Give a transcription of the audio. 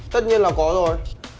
tất nhiên là có rồi